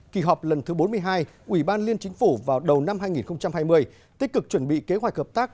kỳ họp lần thứ bốn mươi hai ủy ban liên chính phủ vào đầu năm hai nghìn hai mươi tích cực chuẩn bị kế hoạch hợp tác